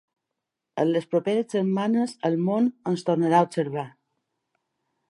En les properes setmanes el món ens tornarà a observar.